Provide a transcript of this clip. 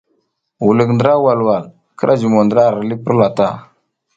Wulik ndra walwal, kira jumo ndra ar li purla ta.